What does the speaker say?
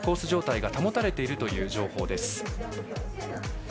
状態が保たれているという情報です。